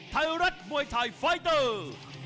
ไทยรัฐมวยไทยไฟเตอร์